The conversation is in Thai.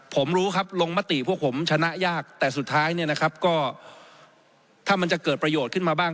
ผมรู้ครับลงมติพวกผมชนะยากแต่สุดท้ายเนี่ยนะครับก็ถ้ามันจะเกิดประโยชน์ขึ้นมาบ้าง